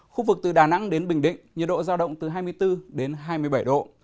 khu vực từ đà nẵng đến bình định nhiệt độ giao động từ hai mươi bốn đến hai mươi bảy độ